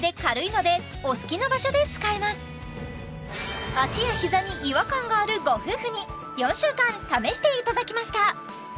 しかも足や膝に違和感があるご夫婦に４週間試していただきました